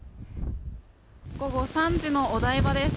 午後３時のお台場です。